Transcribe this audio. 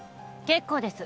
結構です